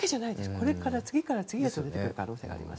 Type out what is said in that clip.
これから次から次へと出てくる可能性があります。